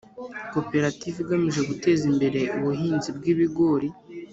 Koperative igamije guteza imbere ubuhinzi bw ibigori